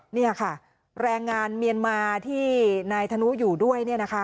นี่ค่ะแรงงานเมียนมาที่นายธนุอยู่ด้วย